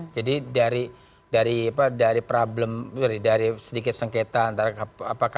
jadi dari problem dari sedikit sengketa antara kpk polri kan